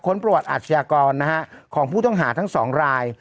ค้นประวัติอาชีากรนะฮะของผู้ต้องหาทั้งสองราย